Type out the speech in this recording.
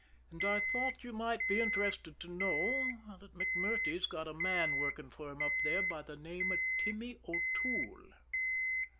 "And I thought you might be interested to know that MacMurtrey's got a man working for him up there by the name of Timmy O'Toole."